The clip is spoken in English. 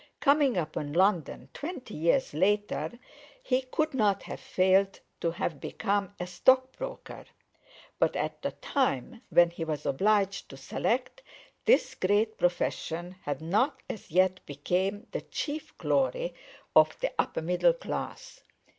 Coming upon London twenty years later, he could not have failed to have become a stockbroker, but at the time when he was obliged to select, this great profession had not as yet become the chief glory of the upper middle class.